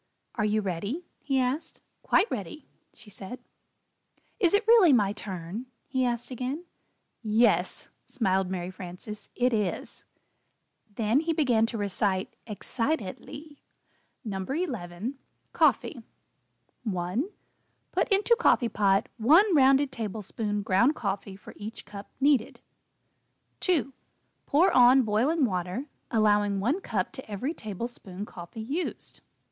"Are you ready?" he asked. "Quite ready," she said. "Is it really my turn?" he asked again. "Yes," smiled Mary Frances, "it is!" [Illustration: "He'll be like the frog."] Then he began to recite ex cit ed ly: NO. 11. COFFEE. 1. Put into coffee pot 1 rounded tablespoon ground coffee for each cup needed. 2. Pour on boiling water, allowing 1 cup to every tablespoon coffee used.